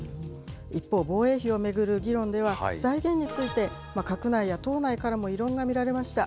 一方、防衛費を巡る議論では、財源について、閣内や党内からも異論が見られました。